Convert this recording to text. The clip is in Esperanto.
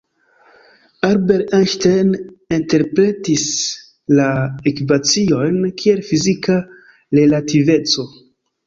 Albert Einstein interpretis la ekvaciojn kiel fizika relativeco.